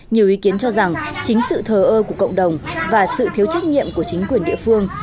nhiều ý kiến cho rằng chính sự thờ ơ của cộng đồng và sự thiếu trách nhiệm của chính quyền địa phương